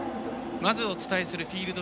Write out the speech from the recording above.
まずお伝えするフィールド